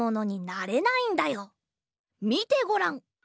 みてごらん！